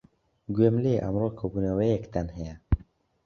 گوێم لێیە ئەمڕۆ کۆبوونەوەیەکتان هەیە.